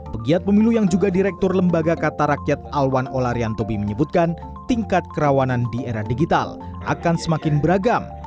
pegiat pemilu yang juga direktur lembaga kata rakyat alwan olaryantobi menyebutkan tingkat kerawanan di era digital akan semakin beragam